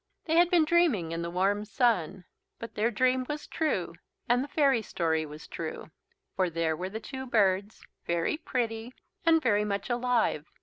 They had been dreaming in the warm sun. But their dream was true and the fairy story was true. For there were the two birds, very pretty and very much alive.